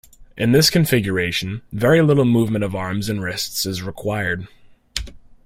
In this configuration, very little movement of arms and wrists is required.